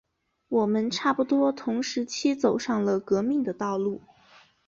我们差不多同时期走上了革命的道路。